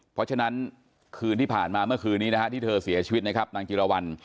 เพราะฉะนั้นคืนที่ผ่านมาเมื่อคืนนี้นะฮะที่เธอเสียชีวิตนะครับนางจิรวรรณ